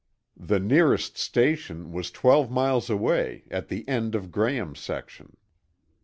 The nearest station was twelve miles away, at the end of Graham's section.